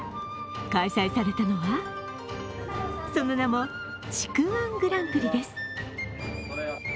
開催されたのは、その名もちく−１グランプリです。